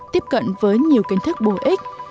tiếp cận với nhiều kiến thức bổ ích